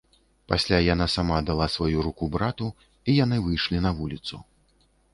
Пасля яна сама дала сваю руку брату, і яны выйшлі на вуліцу.